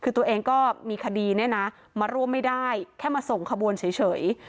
คือตัวเองก็มีคดีเนี่ยนะมาร่วมไม่ได้แค่มาส่งขบวนเฉย